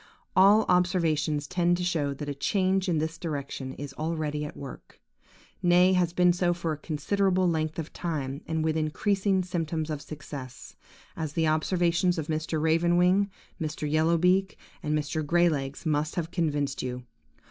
All observations tend to show that a change in this direction is already at work, nay, has been so for a considerable length of time, and with increasing symptoms of success, as the observations of Mr. Raven wing, Mr. Yellow beak, and Mr. Grey legs must have convinced you.